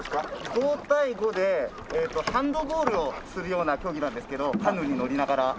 ５対５でハンドボールをするような競技なんですけどカヌーに乗りながら。